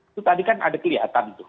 itu tadi kan ada kelihatan tuh